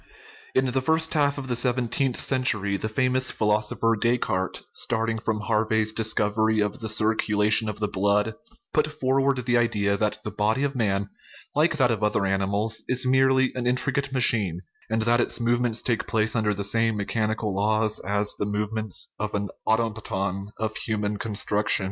In the first half of the seventeenth century the famous philosopher Descartes, starting from Harvey's discov ery of the circulation of the blood, put forward the idea that the body of man, like that of other animals, is merely an intricate machine, and that its movements take place under the same mechanical laws as the movements of an automaton of human construction.